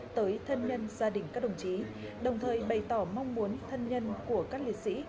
tới thân nhân gia đình các đồng chí đồng thời bày tỏ mong muốn thân nhân của các liệt sĩ